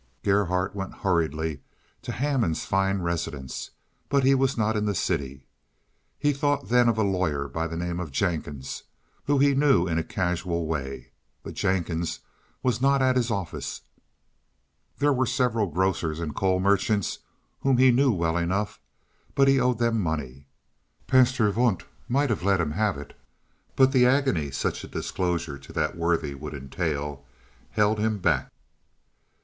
Gerhardt went hurriedly to Hammond's fine residence, but he was not in the city. He thought then of a lawyer by the name of Jenkins, whom he knew in a casual way, but Jenkins was not at his office. There were several grocers and coal merchants whom he knew well enough, but he owed them money. Pastor Wundt might let him have it, but the agony such a disclosure to that worthy would entail held him back.